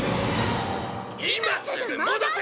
今すぐ戻せ！